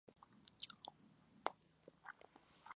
Simplemente no hay nada, lo han borrado.